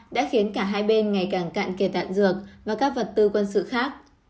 đã khiến cả hai bên ngày càng cạn kề đạn dược và các vật tư quân sự khác